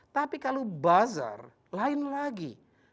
tapi kalau bazar lain lagi